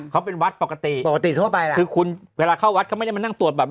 เขาเป็นวัดปกติคือคุณเวลาเข้าวัดเขาไม่ได้มานั่งตรวจแบบ